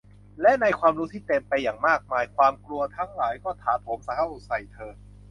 และในความรู้ที่เต็มไปอย่างมากมาย ความกลัวทั้งหลายก็ถาโถมเข้าใส่เธอ